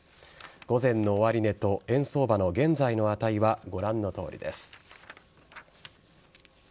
午前の終値と円相場の現在の値はご覧のとおりです。